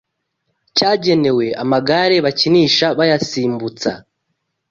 cyagenewe amagare bakinisha bayasimbutsa